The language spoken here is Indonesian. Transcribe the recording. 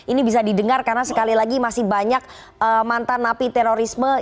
ini bisa didengar karena sekali lagi masih banyak mantan napi terorisme